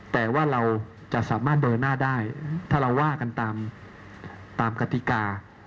แต่ว่าเราจะสามารถเบอร์หน้าได้ถ้าเราว่ากันตามกติกา